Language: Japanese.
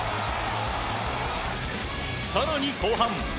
更に後半。